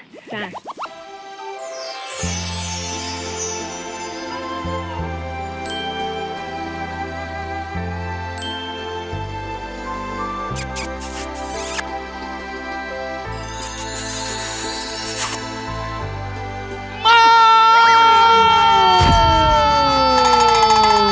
เป็นประกาศฝังเอง